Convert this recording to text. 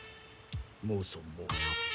モソモソ。